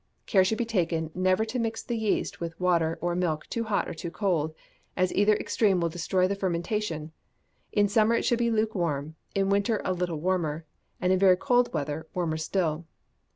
Care should be taken never to mix the yeast with water or milk too hot or too cold, as either extreme will destroy the fermentation. In summer it should he lukewarm, in winter a little warmer, and in very cold weather, warmer still.